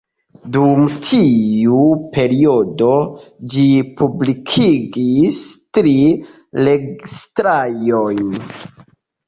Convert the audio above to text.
Dum tiu periodo, ĝi publikigis tri registraĵojn.